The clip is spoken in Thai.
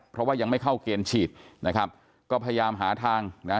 เพราะว่ายังไม่เข้าเกณฑ์ฉีดนะครับก็พยายามหาทางนะ